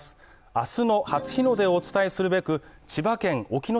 明日の初日の出をお伝えするべく、千葉県沖ノ